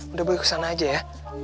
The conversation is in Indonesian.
udah bagi ke sana aja ya